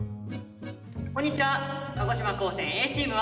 こんにちは。